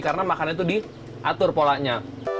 karena makannya tuh diatur polanya